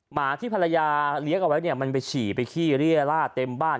หมาที่ภรรยาเลี้ยงเอาไว้เนี่ยมันไปฉี่ไปขี้เรียล่าเต็มบ้าน